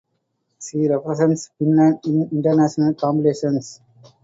She represents Finland in international competitions.